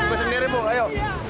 tunggu sendiri bu ayo